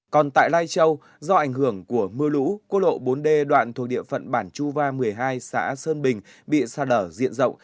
còn tại lai châu do ảnh hưởng của mưa lũ quốc lộ bốn d đoạn thuộc địa phận bản chu va một mươi hai xã sơn bình bị xa lở diện rộng